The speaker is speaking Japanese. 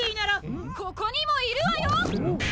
・ここにもいるわよ！